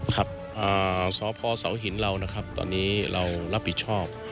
ครับสพเสาหินเรานะครับตอนนี้เรารับผิดชอบ